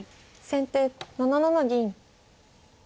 先手７七銀。